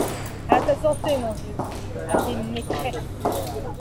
À ta santé, mon vieux !… à tes maîtresses !…